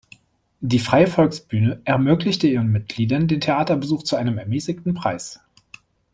Die Freie Volksbühne ermöglichte ihren Mitgliedern den Theaterbesuch zu einem ermäßigten Preis.